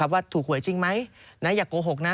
ว่าถูกหวยจริงไหมอย่าโกหกนะ